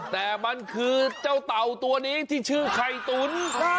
แต่มันคือเจ้าเต่าตัวนี้ที่ชื่อไข่ตุ๋น